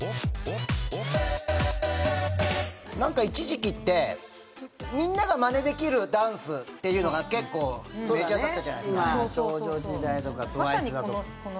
一時期ってみんながマネできるダンスっていうのが結構メジャーだったじゃないですか。